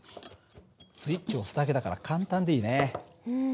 スイッチを押すだけだから簡単でいいね。